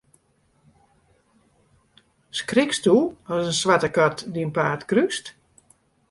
Skriksto as in swarte kat dyn paad krúst?